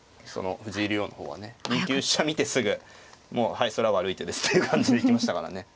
藤井竜王の方はね２九飛車見てすぐもうはいそれは悪い手ですという感じで行きましたからね。